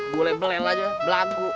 gue belain belain aja belaku